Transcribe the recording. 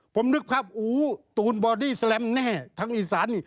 ผมนึกภาพอูตูนบอดี้แสลมแน่ทั้งอีสาน